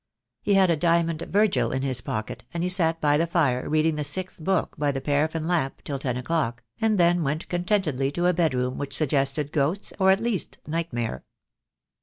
He had a diamond Virgil in his pocket, and he sat by the fire reading the sixth book by the paraffin lamp till ten o'clock, and then went contentedly to a bedroom which suggested ghosts, or at least nightmare.